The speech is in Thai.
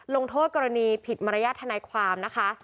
ลงโทษกรณีผิดมารยาทนายความนะคะ